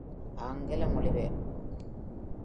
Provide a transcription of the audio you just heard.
ஆங்கில மொழிபெயர்ப்பு.